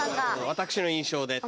私の印象でと。